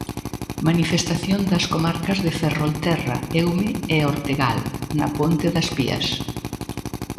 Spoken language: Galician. Manifestación das comarcas de Ferrolterra, Eume e Ortegal na ponte das Pías.